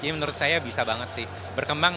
menurut saya bisa banget sih berkembang